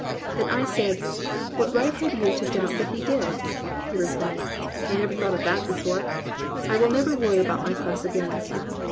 Then I said, "What right have you to doubt that He did?" He replied, "I never thought of that before. I will never worry about my class again."